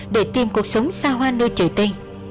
để tìm cuộc sống xa hoa nơi trời tây